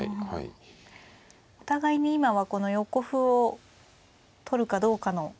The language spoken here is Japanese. お互いに今はこの横歩を取るかどうかの。